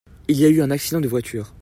Il y a eu un accident de voiture.